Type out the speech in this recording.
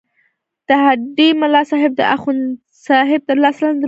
د هډې ملاصاحب د اخوندصاحب تر لاس لاندې روزل شوی وو.